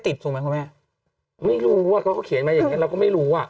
ถูกไหมคุณแม่ไม่รู้อ่ะเขาก็เขียนมาอย่างเงี้เราก็ไม่รู้อ่ะ